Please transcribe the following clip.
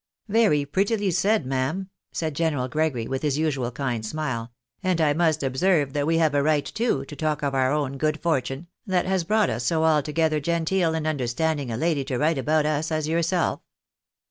" Very prettily said, ma'am," said General Gregory, with his usual kind smile ;" and I must observe that we have a right, too, to talk of our own good fortune, that has brought us so altogether genteel and understanding a lady to write about us as yourself."